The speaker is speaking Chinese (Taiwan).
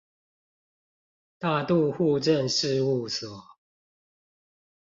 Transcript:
大肚戶政事務所